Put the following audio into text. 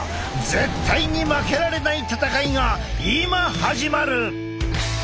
絶対に負けられない戦いが今始まる！